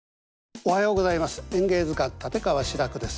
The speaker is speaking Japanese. おはようございます。